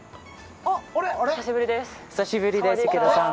久しぶりです。